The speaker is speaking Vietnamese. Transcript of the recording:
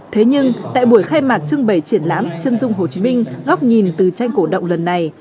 thế nhưng tại buổi khai mạc trưng bày triển lãm chân dung hồ chí minh góc nhìn từ tranh cổ động lần này